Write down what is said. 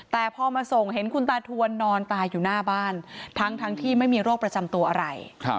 แต่พอมาส่งเห็นคุณตาทวนนอนตายอยู่หน้าบ้านทั้งที่ไม่มีโรคประจำตัวอะไร